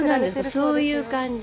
そういう感じ。